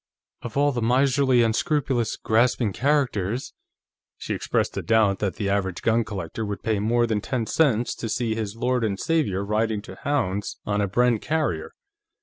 "Of all the miserly, unscrupulous, grasping characters ..." She expressed a doubt that the average gun collector would pay more than ten cents to see his Lord and Savior riding to hounds on a Bren carrier.